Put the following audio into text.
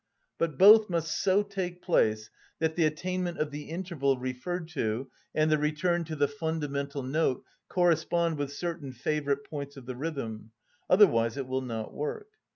But both must so take place that the attainment of the interval referred to and the return to the fundamental note correspond with certain favourite points of the rhythm, otherwise it will not work.